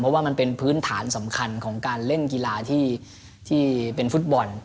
เพราะว่ามันเป็นพื้นฐานสำคัญของการเล่นกีฬาที่เป็นฟุตบอล